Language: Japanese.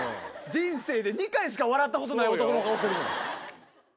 人生で２回しか笑ったことない男の顔してるもん。